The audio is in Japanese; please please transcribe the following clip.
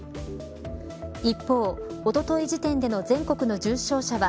一方、おととい時点での全国の重症者は